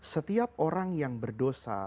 setiap orang yang berdosa